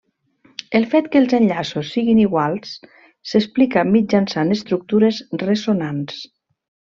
El fet que els enllaços siguin iguals s'explica mitjançant estructures ressonants.